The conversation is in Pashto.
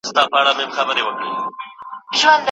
که دوې نظریې وڅیړل سي، نو نوې نظرونه ازمايل کېدلای سي.